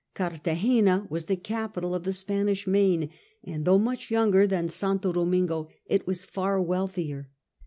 Cartagena was the capital of the Spanish Main, and though much younger than St. Domingo it was far wealthier.